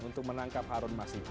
untuk menangkap harun masiku